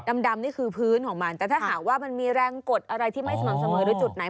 ดำนี่คือพื้นของมันแต่ถ้าหากว่ามันมีแรงกดอะไรที่ไม่สม่ำเสมอหรือจุดไหน